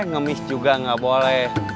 ngemis juga gak boleh